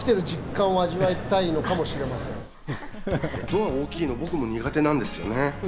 音が大きいの、僕も苦手なんですよね。